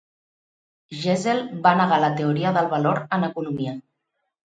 Gesell va negar la teoria del valor en economia.